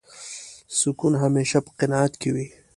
سکون همېشه په قناعت کې وي.